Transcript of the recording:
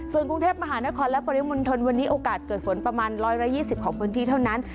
ส่วนกรุงเทพมหานครและปริมณฑลวันนี้โอกาสเกิดฝนประมาณ๑๒๐ของพื้นที่เท่านั้น